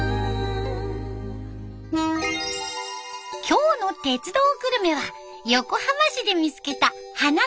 今日の「鉄道グルメ」は横浜市で見つけた花こんにゃく。